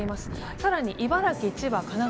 更に茨城、千葉、神奈川